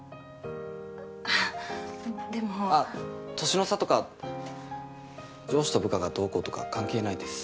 年の差とか上司と部下がどうこうとか関係ないです。